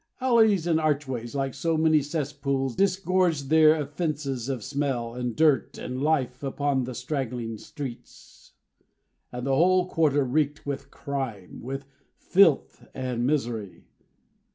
Alleys and archways, like so many cesspools, disgorged their offences of smell, and dirt, and life, upon the straggling streets; and the whole quarter reeked with crime, with filth and misery.